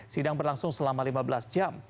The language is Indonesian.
sidang berlangsung selama lima belas jam